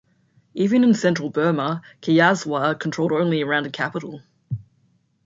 Even in central Burma, Kyawswa controlled only around the capital.